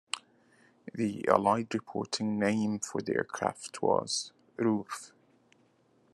The Allied reporting name for the aircraft was Rufe.